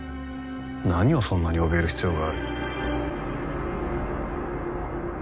何をそんなにおびえる必要がある？